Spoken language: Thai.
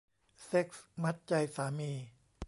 เซ็กส์มัดใจสามี